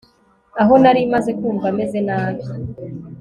Aho nari maze kumva meze nabi